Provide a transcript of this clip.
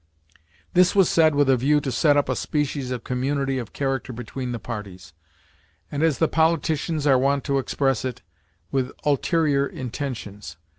This was said with a view to set up a species of community of character between the parties, and as the politicians are wont to express it, with ulterior intentions.